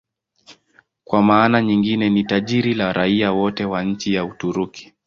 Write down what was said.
Kwa maana nyingine ni jina la raia wote wa nchi ya Uturuki.